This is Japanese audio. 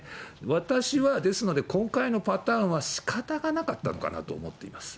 私は、ですので今回のパターンはしかたがなかったのかなと思っています。